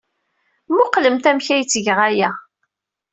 Mmuqlemt amek ay ttgeɣ aya!